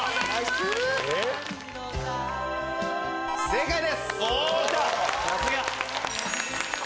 正解です。